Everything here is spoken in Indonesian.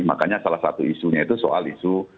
makanya salah satu isunya itu soal isu